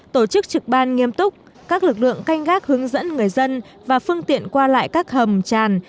tổ chức trực ban nghiêm túc các lực lượng canh gác hướng dẫn người dân và phương tiện qua lại các hầm tràn